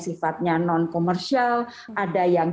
sifatnya non komersial ada yang